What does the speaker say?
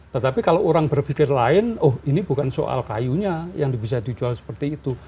tetapi kalau orang berpikir lain oh ini bukan soal kayunya yang bisa dijual seperti itu